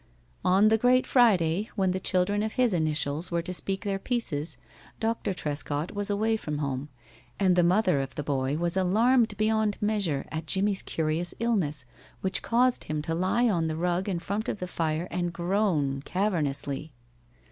On the great Friday when the children of his initials were to speak their pieces Dr. Trescott was away from home, and the mother of the boy was alarmed beyond measure at Jimmie's curious illness, which caused him to lie on the rug in front of the fire and groan cavernously.